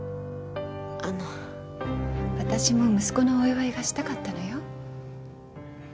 あの私も息子のお祝いがしたかったのよ